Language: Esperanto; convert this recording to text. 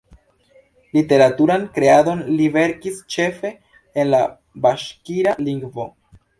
Literaturan kreadon li verkis ĉefe en la baŝkira lingvo.